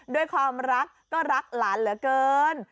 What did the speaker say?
ด้วยความรักก็รักหลานเหลือเกิน